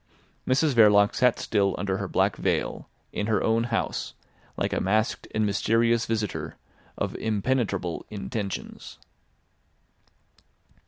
Mrs Verloc sat still under her black veil, in her own house, like a masked and mysterious visitor of impenetrable intentions.